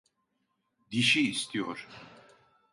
Dişi istiyor!